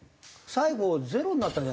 最後ゼロになったんじゃ。